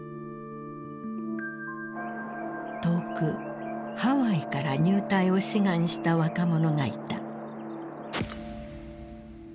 遠くハワイから入隊を志願した若者がいた。